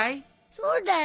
そうだよ。